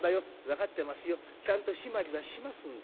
「分かってますよちゃんと締まりはしますんで」。